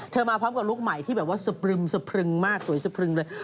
มาพร้อมกับลูกใหม่ที่แบบว่าสะพรึมสะพรึงมากสวยสะพรึงเลย